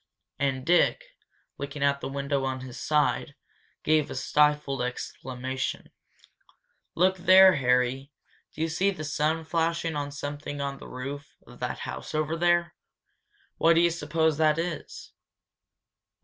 And Dick, looking out the window on his side, gave a stifled exclamation. "Look there, Harry!" he said. "Do you see the sun flashing on something on the roof of that house over there? What do you suppose that is?"